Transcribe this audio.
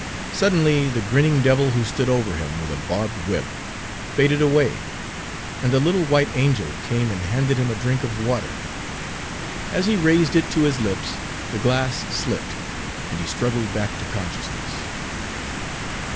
Suddenly the grinning devil who stood over him with a barbed whip faded away, and a little white angel came and handed him a drink of water. As he raised it to his lips the glass slipped, and he struggled back to consciousness.